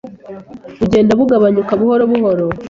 bugenda bugabanyuka buhoro buhoro